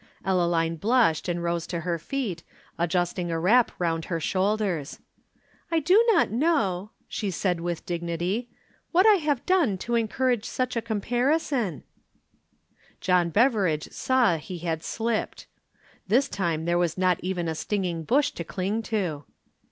Ellaline blushed and rose to her feet, adjusting a wrap round her shoulders. "I do not know," she said with dignity, "what I have done to encourage such a comparison." John Beveridge saw he had slipped. This time there was not even a stinging bush to cling to.